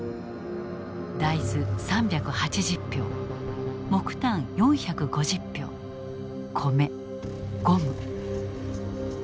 大豆３８０俵木炭４５０俵米ゴム。